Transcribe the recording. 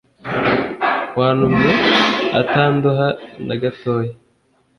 wantumye atandoha na gatoya